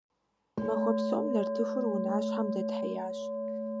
Махуэ псом нартыхур унащхьэм дэтхьеящ.